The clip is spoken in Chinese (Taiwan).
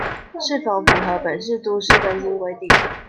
是否符合本市都市更新規定